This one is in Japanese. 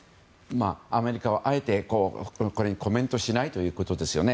アメリカはあえてこれにコメントしないということですよね。